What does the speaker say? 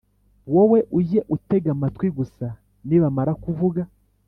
Wowe ujye utega amatwi gusa Nibamara kuvuga